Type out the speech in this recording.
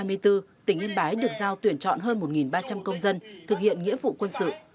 năm hai nghìn hai mươi bốn tỉnh yên bái được giao tuyển chọn hơn một ba trăm linh công dân thực hiện nghĩa vụ quân sự